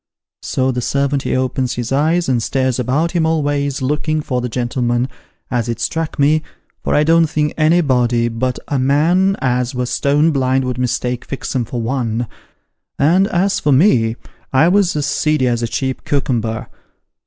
So the servant he opens his eyes, and stares about him all ways looking for the gentleman, as it struck me, for I don't think anybody but a Mr. Bung's best Job. 2 1 man as was stone blind would mistake Fixem for one ; and as for me, I was as seedy as a cheap cowcumber.